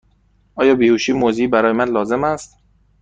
آیا بیهوشی موضعی برای من لازم است؟